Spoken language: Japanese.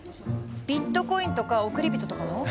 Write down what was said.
ビットコインとか億り人とかの？